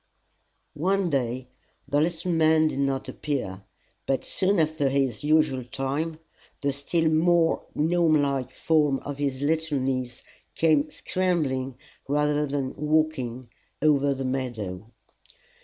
One day the little man did not appear, but soon after his usual time the still more gnome like form of his little niece came scrambling rather than walking over the meadow.